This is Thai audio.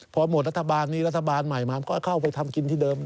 พอหมดรัฐบาลนี้รัฐบาลใหม่มาก็เข้าไปทำกินที่เดิม